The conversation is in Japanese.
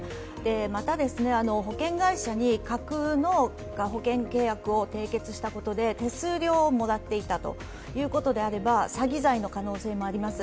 また保険会社に架空の保険契約を締結したことで手数料をもらっていたということであれば詐欺罪の可能性もあります。